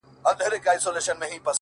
د کلې خلگ به دي څه ډول احسان ادا کړې _